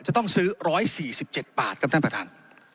จะต้องซื้อร้อยสี่สิบเจ็ดบาทครับท่านประทาน